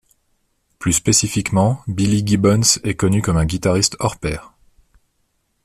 Plus spécifiquement, Billy Gibbons est connu comme un guitariste hors pair.